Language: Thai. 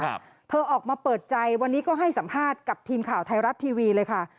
เธอออกมาเปิดใจวันนี้ก็ให้สัมภาษณ์กับทีมข่าวไทยรัฐทีวีเลยค่ะ